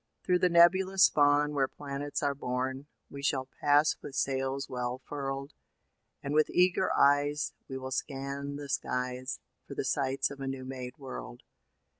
Through the nebulous spawn where planets are born, We shall pass with sails well furled, And with eager eyes we will scan the skies, For the sights of a new made world.